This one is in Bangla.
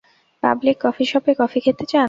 পাবলিক কফি শপে কফি খেতে যান।